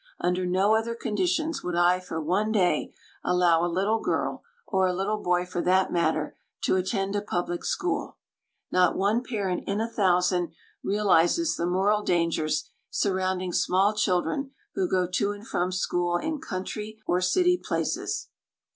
Under no other conditions would I for one day allow a little girl (or a little boy for that matter) to attend a public school. Not one parent in a thousand realizes the moral dangers surrounding small children who go to and from school in country or city places.